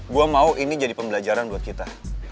gue mau ini jadi pembelajaran buat kita